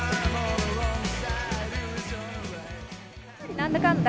何だかんだ